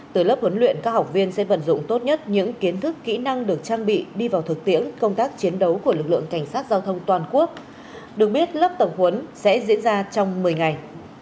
từ lớp huấn luyện các học viên sẽ vận dụng tốt nhất những kiến thức kỹ năng được trang bị đi vào thực tiễn công tác chiến đấu của lực lượng cảnh sát giao thông toàn quốc được biết lớp tập huấn sẽ diễn ra trong một mươi ngày